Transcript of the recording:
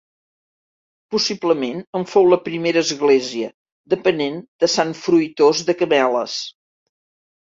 Possiblement en fou la primera església, dependent de Sant Fruitós de Cameles.